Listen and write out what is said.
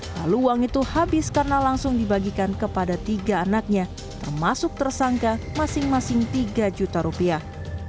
lalu uang itu habis karena langsung dibagikan kepada tiga anaknya termasuk tersangka masing masing tiga juta rupiah